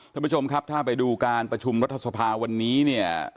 ท่านผู้ชมครับถ้าไปดูการประชุมรัฐสภาวันนี้เนี่ย